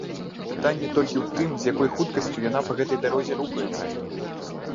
Пытанне толькі ў тым, з якой хуткасцю яна па гэтай дарозе рухаецца.